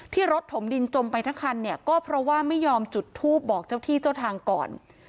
รถถมดินจมไปทั้งคันเนี่ยก็เพราะว่าไม่ยอมจุดทูปบอกเจ้าที่เจ้าทางก่อน